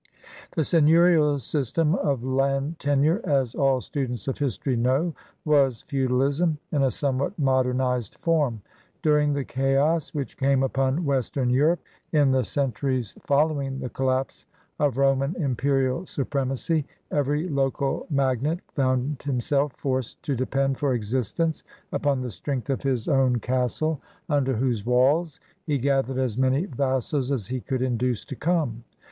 The seigneurial system of land tenure, as all students of history know, was feudalism in a somewhat modernized form. During the chaos which came upon Western Europe in the centuries following the collapse of Roman imperial suprem acy, every local magnate found himself forced to depend for existence upon the strength of his SEI6NEUBS OF OLD CANADA ISff own castle, under whose walls he gathered as many vassals as he could induce to come.